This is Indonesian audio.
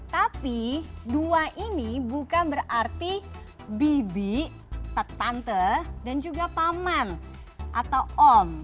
tapi dua ini bukan berarti bibi tetante dan juga paman atau om